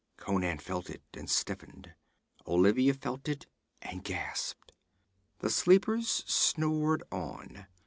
Conan felt it and stiffened. Olivia felt it and gasped. The sleepers snored on.